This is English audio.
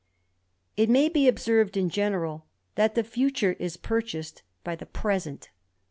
It may be observed in general, that the future is purchased by the present.